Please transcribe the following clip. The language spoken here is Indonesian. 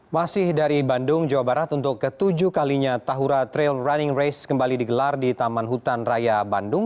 masih dari bandung jawa barat untuk ketujuh kalinya tahura trail running race kembali digelar di taman hutan raya bandung